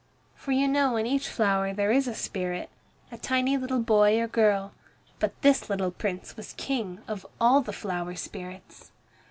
For you know in each flower there is a spirit, a tiny little boy or girl, but this little Prince was King of all the flower spirits.